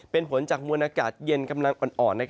เป็นผลจากมวลอากาศเย็นกำลังอ่อน